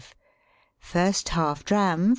First half dram, 4.